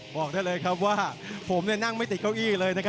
บอกได้เลยครับว่าผมนั่งไม่ติดเก้าอี้เลย